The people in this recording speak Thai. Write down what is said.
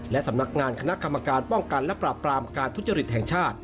และสำนักงานคณะกรรมการป้องกันและปราบปรามการทุจริตแห่งชาติ